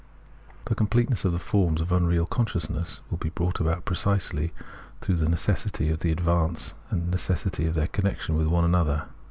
The completeness of the forms of unreal conscious ness will be brought about precisely through the necessity of the advance and the necessity of their connection with one another.